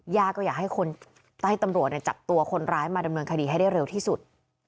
ก็อยากให้คนให้ตำรวจจับตัวคนร้ายมาดำเนินคดีให้ได้เร็วที่สุด